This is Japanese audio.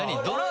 何？